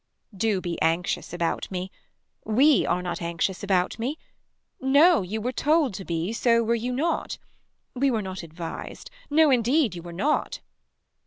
Do be anxious about me. We are not anxious about me. No you were told to be so were you not. We were not advised. No indeed you were not.